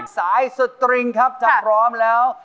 สายสตริงครับถ้าพร้อมแล้ว